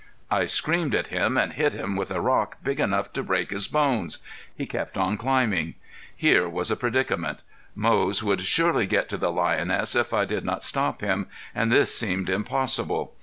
I screamed at him and hit him with a rock big enough to break his bones. He kept on climbing. Here was a predicament. Moze would surely get to the lioness if I did not stop him, and this seemed impossible.